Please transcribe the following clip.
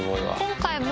今回も。